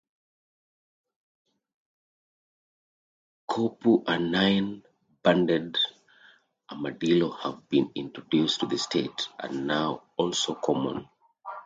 Coypu and nine-banded armadillo have been introduced to the state and now also common.